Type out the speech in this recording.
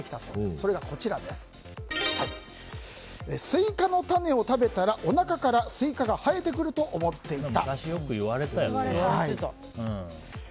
それが、スイカの種を食べたらおなかからスイカが生えてくると思っていた。